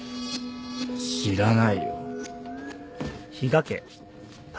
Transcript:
知らないよ。